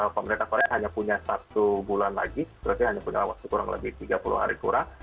pemerintah korea hanya punya satu bulan lagi berarti hanya punya waktu kurang lebih tiga puluh hari kurang